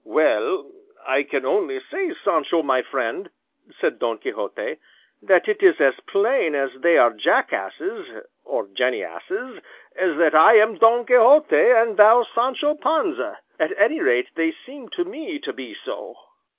"Well, I can only say, Sancho, my friend," said Don Quixote, "that it is as plain they are jackasses or jennyasses as that I am Don Quixote, and thou Sancho Panza: at any rate, they seem to me to be so."